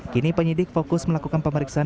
kini penyidik fokus melakukan pemeriksaan